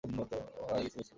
ও, hi, কিছু miss করলাম নাকি!